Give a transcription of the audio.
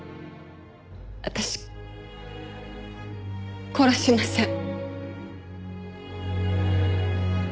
私殺しません。